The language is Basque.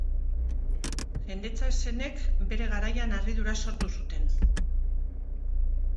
Jendetza-eszenek bere garaian harridura sortu zuten